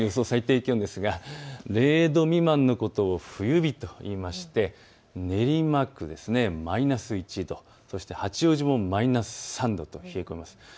最低気温ですが０度未満のことを冬日といいまして練馬区マイナス１度、八王子もマイナス３度と冷え込みます。